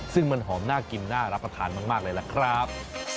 ซึ่งมันหอมน่ากินน่ารับประทานมากเลยล่ะครับ